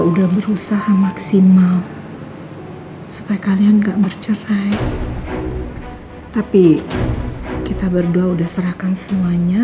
udah berusaha maksimal supaya kalian enggak bercerai tapi kita berdua udah serahkan semuanya